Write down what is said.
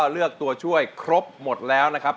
ตัวช่วยครบหมดแล้วนะครับ